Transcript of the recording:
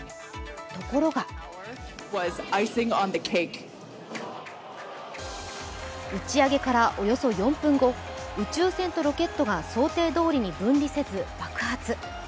ところが打ち上げからおよそ４分後宇宙船とロケットが想定通りに分離せず、爆発。